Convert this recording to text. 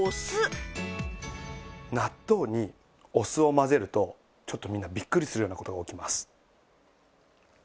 納豆にお酢を混ぜるとちょっとみんなビックリするような事が起きます。